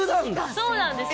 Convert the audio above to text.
そうなんですよ。